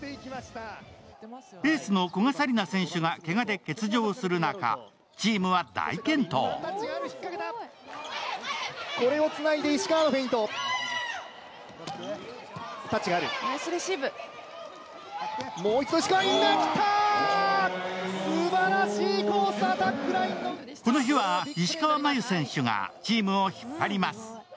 エースの古賀紗理那選手がけがで欠場する中、チームは大健闘この日は石川真佑選手がチームを引っ張ります。